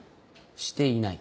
していない。